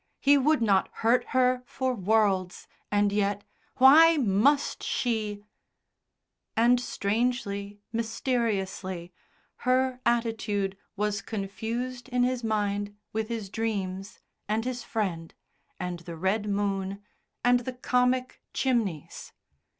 He would not hurt her for worlds, and yet, why must she And strangely, mysteriously, her attitude was confused in his mind with his dreams, and his Friend, and the red moon, and the comic chimneys.